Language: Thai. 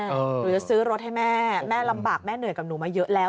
หรือจะซื้อรถให้แม่แม่ลำบากแม่เหนื่อยกับหนูมาเยอะแล้ว